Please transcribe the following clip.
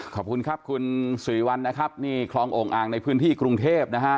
ขอบคุณครับคุณสิริวัลนะครับนี่คลองโอ่งอ่างในพื้นที่กรุงเทพนะฮะ